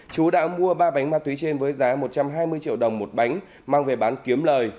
chú đã mua ba bánh ma túy trên với giá một trăm hai mươi triệu đồng một bánh mang về bán kiếm lời